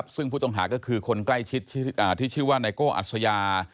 ซึ่งผู้ต้องหาก็คือคนใกล้ชิดที่ชื่อว่าไนโก้อัศยา